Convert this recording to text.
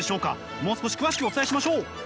もう少し詳しくお伝えしましょう。